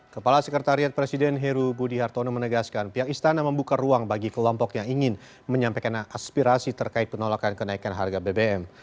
kepala sekretariat presiden heru budi hartono menegaskan pihak istana membuka ruang bagi kelompok yang ingin menyampaikan aspirasi terkait penolakan kenaikan harga bbm